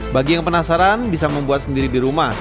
bagi yang penasaran bisa membuat sendiri di rumah